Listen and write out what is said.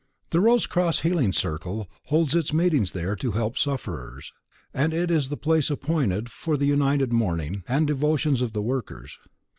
The Rose Cross Healing Circle holds its meetings there to help sufferers, and it is the place appointed for the united morning and evening devotions of the workers.